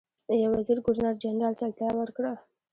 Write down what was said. یو وزیر ګورنر جنرال ته اطلاع ورکړه.